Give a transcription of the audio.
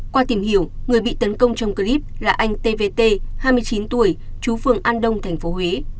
qua tìm hiểu người bị tấn công trong clip là anh tvt hai mươi chín tuổi chú phường an đông tp huế